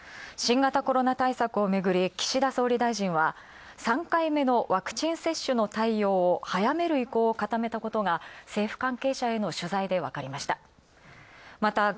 新型コロナ対策をめぐり、岸田総理は、３回目のワクチン接種の対応を早める意向を固めたことが、政府関係者への取材でわかりました。